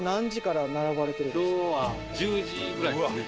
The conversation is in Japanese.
今日は１０時ぐらいですね。